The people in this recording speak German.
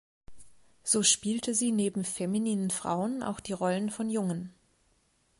So spielte sie neben femininen Frauen auch die Rollen von Jungen.